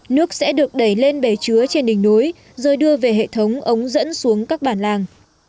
nước sẽ được đẩy lên bề chứa trên đỉnh núi rồi đưa về hệ thống ống dẫn xuống các bản làng